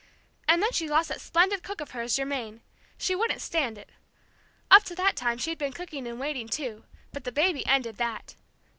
And then she lost that splendid cook of hers, Germaine. She wouldn't stand it. Up to that time she'd been cooking and waiting, too, but the baby ended that.